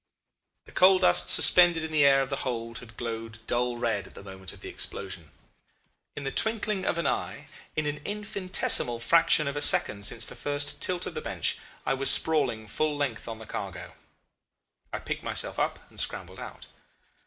"The coal dust suspended in the air of the hold had glowed dull red at the moment of the explosion. In the twinkling of an eye, in an infinitesimal fraction of a second since the first tilt of the bench, I was sprawling full length on the cargo. I picked myself up and scrambled out.